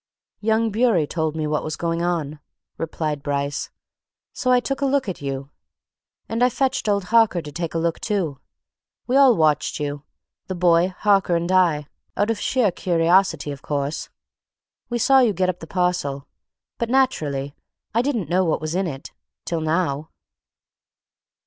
"Young Bewery told me what was going on," replied Bryce, "so I took a look at you. And I fetched old Harker to take a look, too. We all watched you the boy, Harker, and I out of sheer curiosity, of course. We saw you get up the parcel. But, naturally, I didn't know what was in it till now."